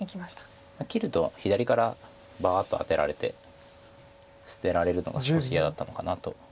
切ると左からバアッとアテられて捨てられるのが少し嫌だったのかなと。